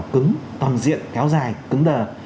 cũng toàn diện kéo dài cứng đờ